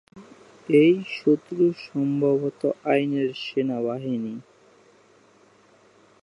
এই শত্রু সম্ভবত আইনের সেনাবাহিনী।